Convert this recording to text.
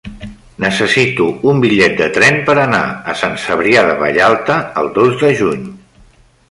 Necessito un bitllet de tren per anar a Sant Cebrià de Vallalta el dos de juny.